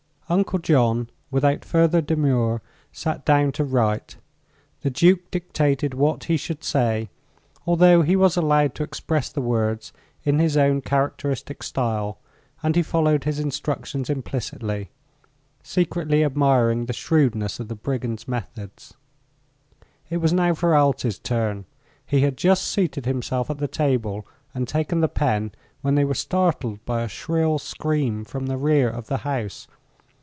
Uncle John, without further demur, sat down to write. The Duke dictated what he should say, although he was allowed to express the words in his own characteristic style, and he followed his instructions implicitly, secretly admiring the shrewdness of the brigand's methods. It was now Ferralti's turn. He had just seated himself at the table and taken the pen when they were startled by a shrill scream from the rear of the house.